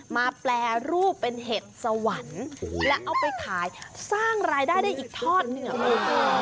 แปรรูปเป็นเห็ดสวรรค์แล้วเอาไปขายสร้างรายได้ได้อีกทอดหนึ่งอ่ะคุณ